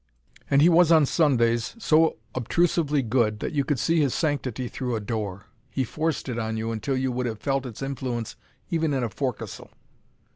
And he was on Sundays so obtrusively good that you could see his sanctity through a door. He forced it on you until you would have felt its influence even in a forecastle.